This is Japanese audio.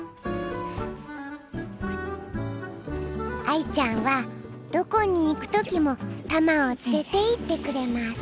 愛ちゃんはどこに行く時もたまを連れていってくれます。